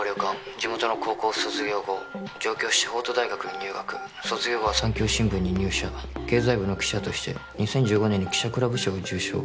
☎地元の高校を卒業後上京し法都大学に入学☎卒業後は産教新聞に入社経済部の記者として２０１５年に記者クラブ賞を受賞